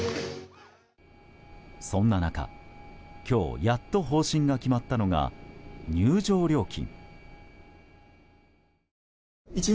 そんな中、今日やっと方針が決まったのが入場料金。